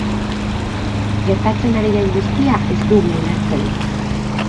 Gertatzen ari den guztia ez dugu ulertzen.